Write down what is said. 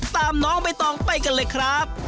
น้องใบตองไปกันเลยครับ